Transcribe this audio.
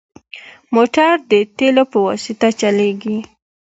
موټر د تیلو په واسطه چلېږي.